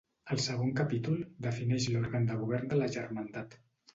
El segon capítol, defineix l'òrgan de govern de la Germandat.